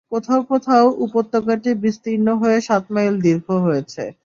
কোথাও কোথাও উপত্যকাটি বিস্তীর্ণ হয়ে সাত মাইল দীর্ঘ হয়েছে।